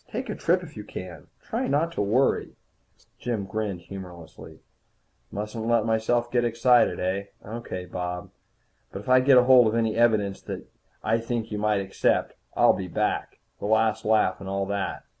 Take a trip if you can. Try not to worry." Jim grinned humorlessly. "Mustn't let myself get excited, eh? Okay, Bob. But if I get hold of any evidence that I think you might accept, I'll be back. The last laugh and all that.